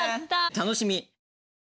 楽しみ。